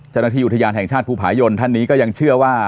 เจ้าหน้าที่อุทยานแห่งชาติภูผายนท่านนี้ก็ยังเชื่อว่า